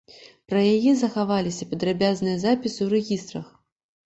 Пра яе захаваліся падрабязныя запісы ў рэгістрах.